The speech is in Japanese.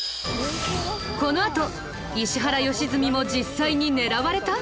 このあと石原良純も実際に狙われた？